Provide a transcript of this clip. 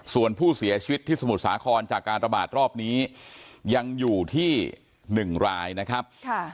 ส่วนผู้เสียชีวิตที่สมุทรสาครจากการระบาดรอบนี้ยังอยู่ที่๑รายนะครับ